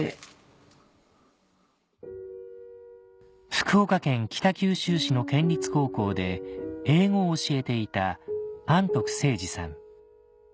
福岡県北九州市の県立高校で英語を教えていた安徳誠治さん